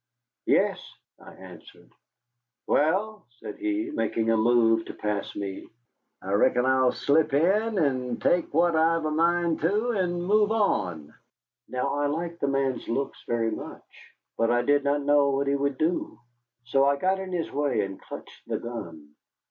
"Yes," I answered. "Wal," said he, making a move to pass me, "I reckon I'll slip in and take what I've a mind to, and move on." Now I liked the man's looks very much, but I did not know what he would do. So I got in his way and clutched the gun.